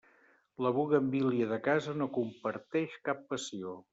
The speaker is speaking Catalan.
La buguenvíl·lia de casa no comparteix cap passió.